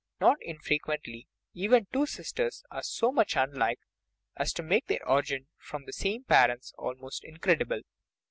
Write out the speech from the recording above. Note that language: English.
Not infrequently even two sisters are so much unlike as to make their origin from the same parents almost incredible.